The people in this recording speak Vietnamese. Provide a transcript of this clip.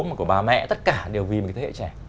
mà của bà mẹ tất cả đều vì một cái thế hệ trẻ